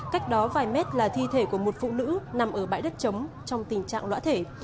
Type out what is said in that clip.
cách đó vài mét là thi thể của một phụ nữ nằm ở bãi đất chống trong tình trạng lõa thể